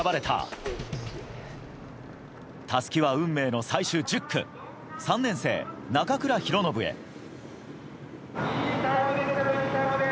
たすきは運命の最終１０区３年生、中倉啓敦へ。